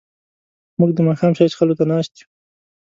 موږ د ماښام چای څښلو ته ناست یو.